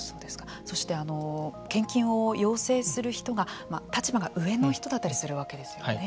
そして、献金を要請する人が立場が上の人だったりするわけですよね。